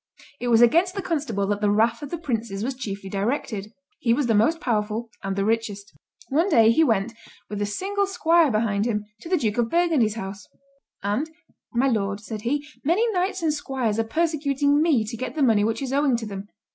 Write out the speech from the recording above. It was against the constable that the wrath of the princes was chiefly directed. He was the most powerful and the richest. One day he went, with a single squire behind him, to the Duke of Burgundy's house; and, "My lord," said he, "many knights and squires are persecuting me to get the money which is owing to them.